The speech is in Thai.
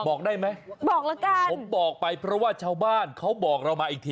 บอกได้ไหมบอกแล้วกันผมบอกไปเพราะว่าชาวบ้านเขาบอกเรามาอีกที